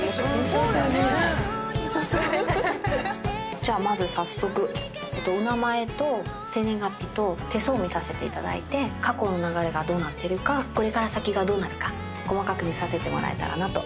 じゃあまず早速お名前と生年月日と手相を見させていただいて過去の流れがどうなってるかこれから先がどうなるか細かく見させてもらえたらなと。